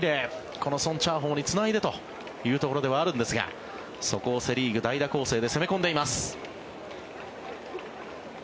このソン・チャーホウにつないでというところではあるんですがそこをセ・リーグ代打攻勢で攻め込んでいます。